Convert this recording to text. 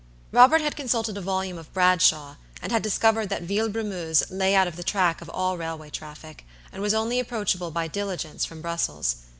Robert had consulted a volume of Bradshaw, and had discovered that Villebrumeuse lay out of the track of all railway traffic, and was only approachable by diligence from Brussels.